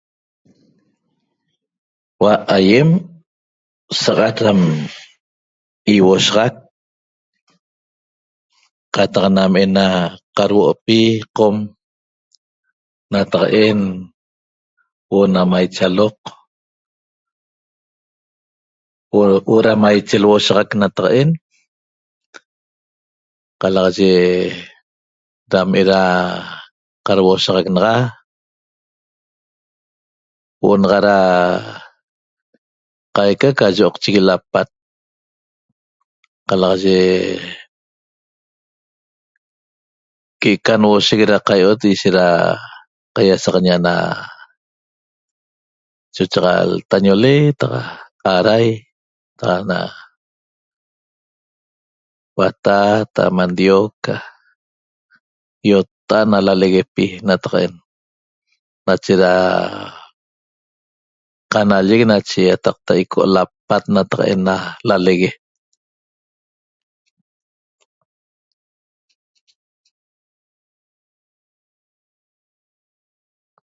Hua'a aýem ram saxat da iuoshaxac qataq nam ena qarhuo'pi qom nataqaen huo'o na maiche aloq huo'o da maiche lhuoshaxac nataqaen qalaxaye dam era qadhuoshaxac naxa huo'o naxa ra qaica ca yo'oqchigui lapat qalaxaye que'eca nhuoshec ra qaio'ot ishet ra qaiasaxañi ana chochac ltañole qataq arai, ana batata, mandioca iotta'at na laleguepi nataqaen nache da qanallic nache ico huo'o lapat que'eca lalegue